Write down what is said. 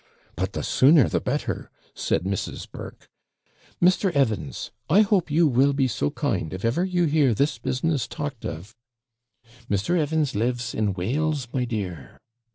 'But the sooner the better,' said Mrs. Burke. 'Mr. Evans, I hope you will be so kind, if ever you hear this business talked of ' 'Mr. Evans lives in Wales, my dear.'